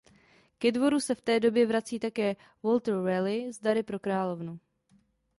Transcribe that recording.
Ke dvoru se v té době vrací také Walter Raleigh s dary pro královnu.